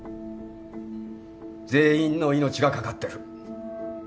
全員の命がかかってる。